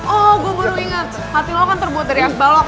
oh gugur inget hati lo kan terbuat dari es balok